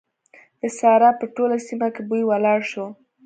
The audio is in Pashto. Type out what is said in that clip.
د سارا په ټوله سيمه کې بوی ولاړ شو.